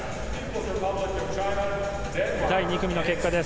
第２組の結果です。